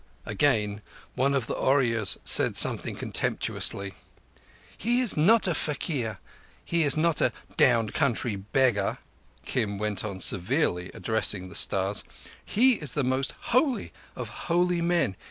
Again one of the Ooryas said something contemptuously. "He is not a faquir. He is not a down country beggar," Kim went on severely, addressing the stars. "He is the most holy of holy men.